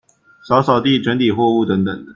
掃掃地、整理貨物等等